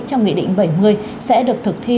trong nghị định bảy mươi sẽ được thực thi